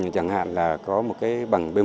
chẳng hạn là có một cái bằng b một